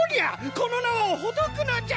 この縄をほどくのじゃ！